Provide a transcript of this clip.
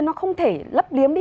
nó không thể lấp liếm đi